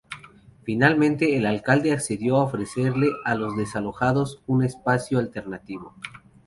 Finalmente el alcalde accedió a ofrecerle a los desalojados un espacio alternativo.